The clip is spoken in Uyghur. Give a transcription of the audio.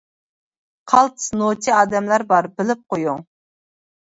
قالتىس نوچى ئادەملەر بار بىلىپ قويۇڭ.